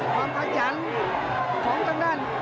ความพัจจันทร์ของตั้งด้าน